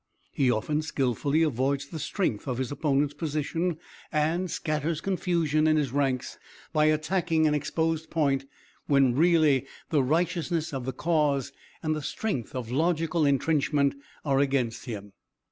He often skillfully avoids the strength of his opponent's position, and scatters confusion in his ranks by attacking an exposed point when really the righteousness of the cause and the strength of logical intrenchment are against him.